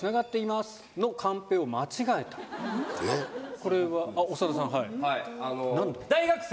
これは長田さん。